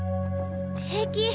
平気。